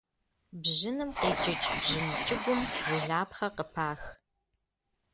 Бжьыным къикӏыкӏ бжьын кӏыгум жылапхъэ къыпах.